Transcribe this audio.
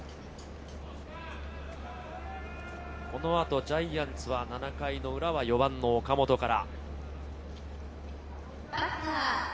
この後ジャイアンツは７回の裏は４番の岡本から。